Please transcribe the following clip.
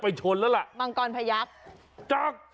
ไอ้หัวแตก